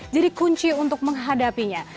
jadi kunci untuk menghadapinya